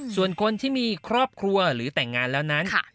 ส่วนคนที่มีครอบครัวหรือแต่งงานแล้วนั้น